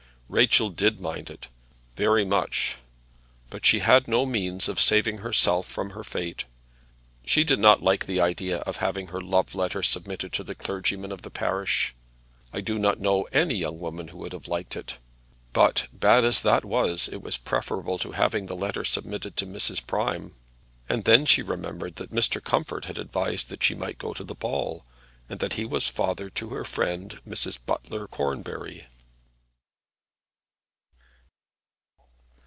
Rachel did mind it very much, but she had no means of saving herself from her fate. She did not like the idea of having her love letter submitted to the clergyman of the parish. I do not know any young lady who would have liked it. But bad as that was, it was preferable to having the letter submitted to Mrs. Prime. And then she remembered that Mr. Comfort had advised that she might go to the ball, and that he was father to her friend Mrs. Butler Cornbury.